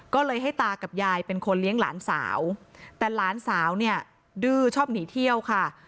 ก็เลยให้ตากับยายเป็นคนเลี้ยงหลานสาวแต่หลานสาวเนี่ยดื้อชอบหนีเที่ยวค่ะ